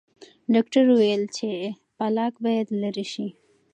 ډاکټر وویل چې پلاک باید لرې شي.